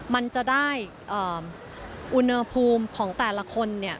มันจะได้อุณหภูมิของแต่ละคนเนี่ย